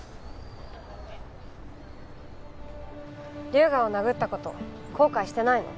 龍河を殴った事後悔してないの？